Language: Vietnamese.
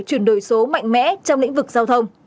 chuyển đổi số mạnh mẽ trong lĩnh vực giao thông